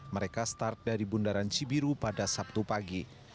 mereka start dari bundaran cibiru pada sabtu pagi